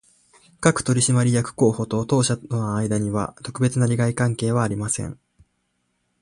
各取締役候補と当社との間には、特別な利害関係はありません